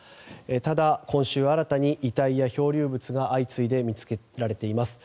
ただ、今週新たに遺体や漂流物が相次いで見つけられています。